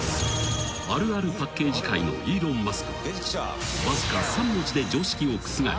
［あるあるパッケージ界のイーロン・マスクはわずか３文字で常識を覆した］